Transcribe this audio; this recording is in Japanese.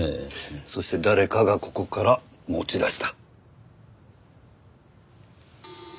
そして誰かがここから持ち出した。